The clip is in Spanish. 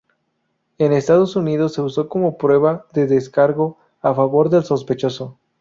En Estados Unidos se usó como prueba de descargo a favor del sospechoso.